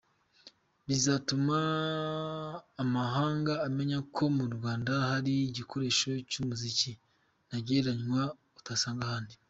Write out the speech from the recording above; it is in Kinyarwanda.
Bikazatuma amahanga amenya ko mu Rwanda hari igikoresho cy’umuziki ntagereranywa utasanga ahandi.